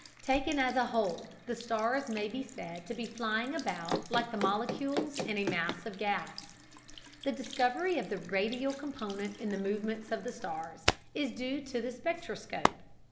Taken as a whole, the stars may be said to be flying about like the molecules in a mass of gas. The discovery of the radial component in the movements of the stars is due to the spectroscope.